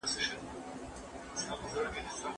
هغه نقيب په ژړا ستغ دی چې يې هيڅ نه ژړل